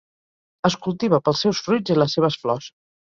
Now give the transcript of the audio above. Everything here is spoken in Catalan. Es cultiva pels seus fruits i les seves flors.